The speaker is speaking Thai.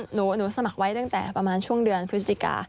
หนูสมัครไว้ตั้งแต่ประมาณช่วงเดือนพฤศจิกา